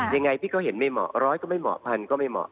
ยังไงพี่ก็เห็นไม่เหมาะร้อยก็ไม่เหมาะพันก็ไม่เหมาะ